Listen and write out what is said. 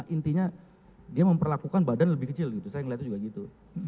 intinya dia memperlakukan badan lebih kecil gitu saya ngelihatnya juga gitu